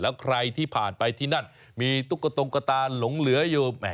แล้วใครที่ผ่านไปที่นั่นมีตุ๊กตงกระตาหลงเหลืออยู่